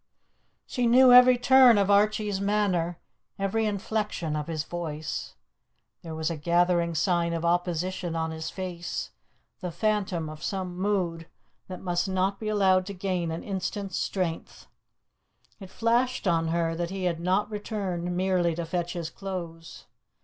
She knew every turn of Archie's manner, every inflection of his voice. There was a gathering sign of opposition on his face the phantom of some mood that must not be allowed to gain an instant's strength. It flashed on her that he had not returned merely to fetch his clothes.